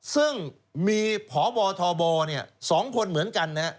ซึ่งมีพบทบ๒คนเหมือนกันนะฮะ